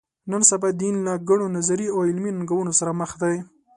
نن سبا دین له ګڼو نظري او عملي ننګونو سره مخ دی.